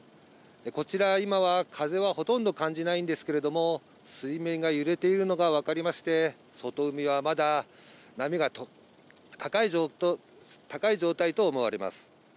こちら、今は風はほとんど感じないんですけれども、水面が揺れているのが分かりまして、外海はまだ波が高い状態と思われます。